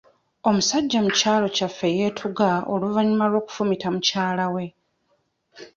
Omusajja ku kyalo kyaffe yeetuga oluvannyuma lw'okufumita mukyala we.